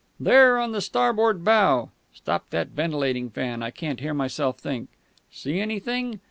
"There, on the starboard bow. (Stop that ventilating fan; I can't hear myself think.) See anything?